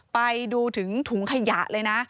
ไปดูถึงถุงขยะเลยนะ